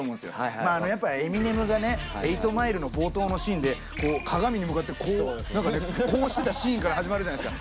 まああのやっぱエミネムがね「８Ｍｉｌｅ」の冒頭のシーンでこう鏡に向かってこう何かねこうしてたシーンから始まるじゃないですか。